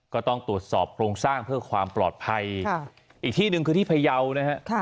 ก็ต้องตรวจสอบโครงสร้างเพื่อความปลอดภัยอีกที่หนึ่งคือที่พยาวนะฮะ